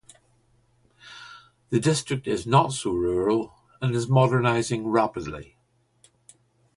The district is not so rural and is modernizing rapidly.